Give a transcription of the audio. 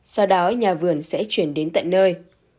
sau đó nhà vườn sẽ chuyển đến tận nơi